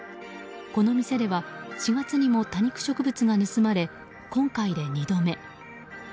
この店では、４月にも多肉植物が盗まれ、今回で２度目。